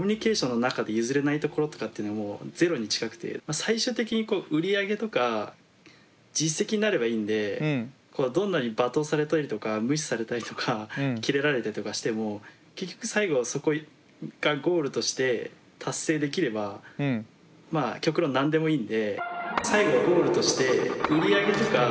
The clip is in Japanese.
最終的に売り上げとか実績になればいいんでどんなに罵倒されたりとか無視されたりとかキレられたりとかしても結局最後そこがゴールとして達成できればまあ極論なんでもいいんで。